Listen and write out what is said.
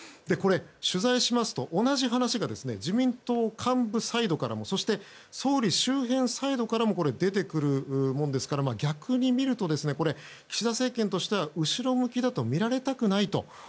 取材しますと、同じ話が自民党幹部サイドからもそして、総理周辺サイドからも出てくるものですから逆にみると、岸田政権としては後ろ向きだと見られたくないと。